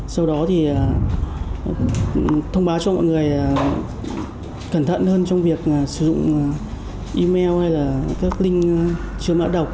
sau đó thì thông báo cho mọi người cẩn thận hơn trong việc sử dụng email hay là các link chứa mã độc